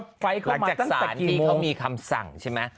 หลังจากสารที่เขามีคำสั่งใช่ไหม